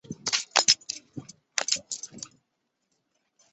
降级徐州帅府经历官。